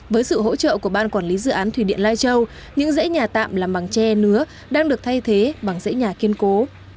với sự hỗ trợ của ban quản lý dự án thủy điện lai châu những dãy nhà tạm làm bằng tre nứa đang được thay thế bằng dãy nhà kiên cố